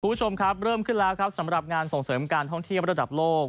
คุณผู้ชมครับเริ่มขึ้นแล้วครับสำหรับงานส่งเสริมการท่องเที่ยวระดับโลก